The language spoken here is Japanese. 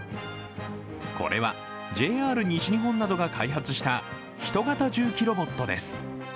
これはＪＲ西日本などが開発したヒト型重機ロボットです。